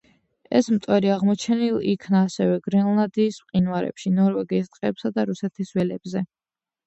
ეს მტვერი აღმოჩენილ იქნა ასევე გრენლანდიის მყინვარებში, ნორვეგიის ტყეებსა და რუსეთის ველებზე.